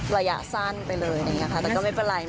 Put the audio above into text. วัยะสั้นไปเลยอย่างเงี้ยค่ะแต่ก็ไม่เป็นไรไม่รีบ